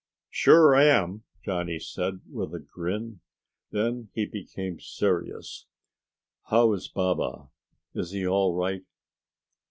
"Sure am," Johnny said, with a grin. Then he became serious. "How is Baba? Is he all right?"